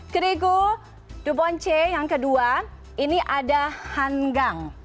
kedegu chodbongche yang kedua ini ada hanggang